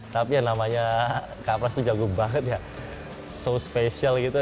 tapi yang namanya kak prast tuh jago banget ya so special gitu